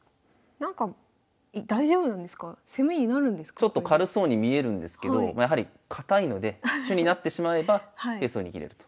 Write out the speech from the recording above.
ちょっと軽そうに見えるんですけどやはり堅いので手になってしまえばペースを握れると。